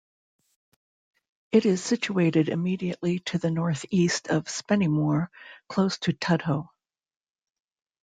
It is situated immediately to the north-east of Spennymoor, close to Tudhoe.